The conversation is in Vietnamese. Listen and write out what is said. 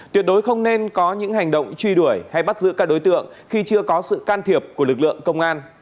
tuyệt đối không nên có những hành động truy đuổi hay bắt giữ các đối tượng khi chưa có sự can thiệp của lực lượng công an